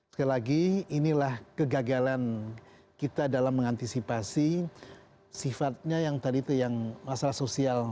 sekali lagi inilah kegagalan kita dalam mengantisipasi sifatnya yang tadi itu yang masalah sosial